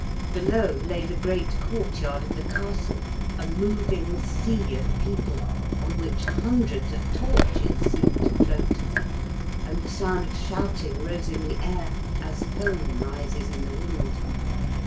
Below lay the great courtyard of the castle, a moving sea of people on which hundreds of torches seemed to float, and the sound of shouting rose in the air as foam rises in the wind.